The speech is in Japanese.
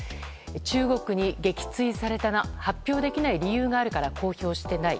中国に撃墜されたな発表できない理由があるから公表していない。